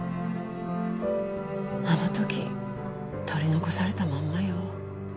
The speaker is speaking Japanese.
あの時取り残されたまんまよ。